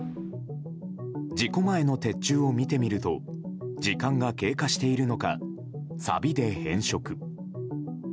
事故前の鉄柱を見てみると時間が経過しているのかさびで変色。